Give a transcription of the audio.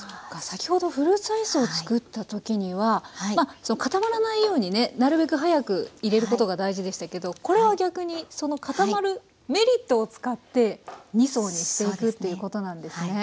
先ほどフルーツアイスを作った時にはまあ固まらないようにねなるべく早く入れることが大事でしたけどこれは逆にその固まるメリットを使って２層にしていくということなんですね。